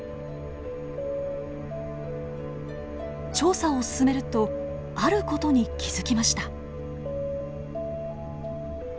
調査を進めるとある事に気付きました。